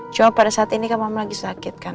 cuma pada saat ini kan mama lagi sakit kan